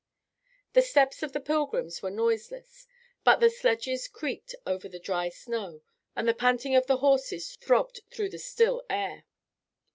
The steps of the pilgrims were noiseless; but the sledges creaked over the dry snow, and the panting of the horses throbbed through the still air.